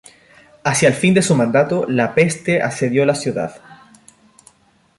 Hacia el fin de su mandato, la peste asedió la ciudad.